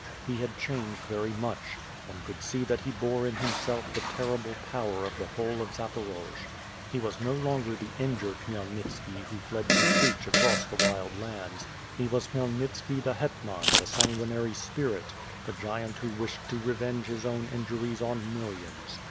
lie had changed very much; one could see that he bore in himself the terrible power of the whole of Zaporoj. He was no longer the injured Khmyelnitski who fled to Sich across the Wild Lands; he was Klimyelnitski, the hetman, the sanguinary spirit, the giant who wished to revenge his own injuries on millions.